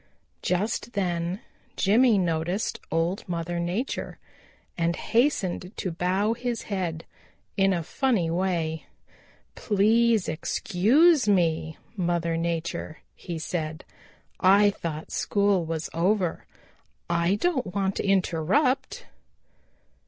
Just then Jimmy noticed Old Mother Nature and hastened to bow his head in a funny way. "Please excuse me, Mother Nature," he said, "I thought school was over. I don't want to interrupt."